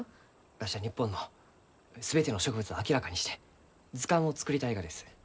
わしは日本の全ての植物を明らかにして図鑑を作りたいがです。